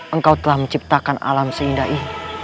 engkau telah menciptakan alam seindai